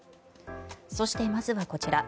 そして、まずはこちら